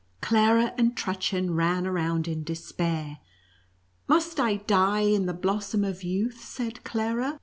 Clara and Trut chen ran around in despair. " Must I die in the blossom of youth V said Clara.